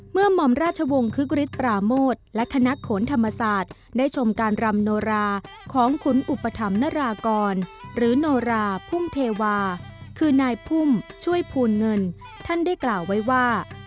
หม่อมราชวงศ์คึกฤทธปราโมทและคณะโขนธรรมศาสตร์ได้ชมการรำโนราของคุณอุปถัมธนรากรหรือโนราพุ่มเทวาคือนายพุ่มช่วยภูลเงินท่านได้กล่าวไว้ว่า